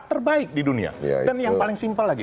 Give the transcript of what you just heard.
terbaik di dunia dan yang paling simpel lagi